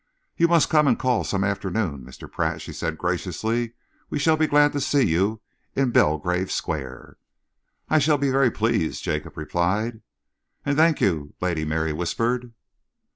"You must come and call some afternoon, Mr. Pratt," she said graciously. "We shall be glad to see you in Belgrave Square." "I shall be very pleased," Jacob replied. "And thank you," Lady Mary whispered.